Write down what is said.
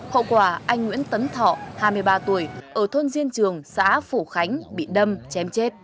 hậu quả anh nguyễn tấn thọ hai mươi ba tuổi ở thôn diên trường xã phổ khánh bị đâm chém chết